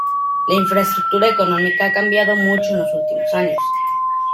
La infraestructura económica ha cambiado mucho en los últimos años.